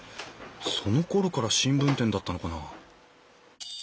そのころから新聞店だったのかな？